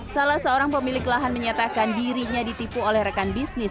salah seorang pemilik lahan menyatakan dirinya ditipu oleh rekan bisnis